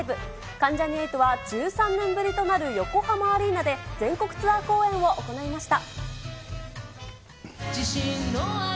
関ジャニ∞は１３年ぶりとなる横浜アリーナで全国ツアー公演を行いました。